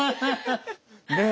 ねえ。